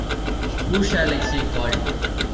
Who shall I say called?